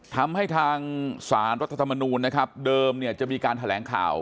ทำให้ทางสารรัฐธรรมนูลนะครับเดิมเนี่ยจะมีการแถลงข่าว